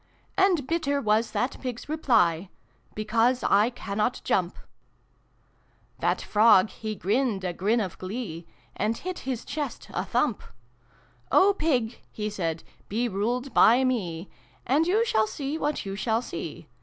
And bitter was that Pig's reply, " Because I cannot jump !" That Frog he grinned a grin of glee, And hit his chest a tJiump. " O Pig" lie said, " be ruled by me, A nd you shall see what you shall see.